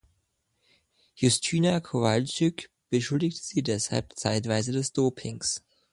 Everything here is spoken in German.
Justyna Kowalczyk beschuldigte sie deshalb zeitweise des Dopings.